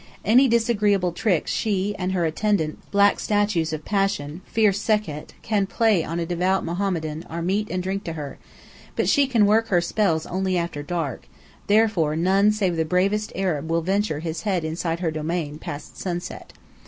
Any disagreeable trick she, and her attendant black statues of passion, fierce Sekhet, can play on a devout Mohammedan, are meat and drink to her: but she can work her spells only after dusk, therefore none save the bravest Arab will venture his head inside her domain, past sunset.